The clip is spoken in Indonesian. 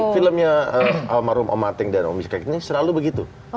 filmnya omarum om ateng dan om iska ini selalu begitu